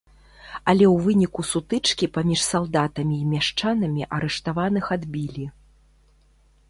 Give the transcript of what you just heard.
Але ў выніку сутычкі паміж салдатамі і мяшчанамі арыштаваных адбілі.